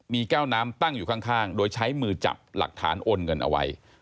มีแก้วน้ำตั้งอยู่ข้างโดยใช้มือจับหลักฐานโอนเงินเอาไว้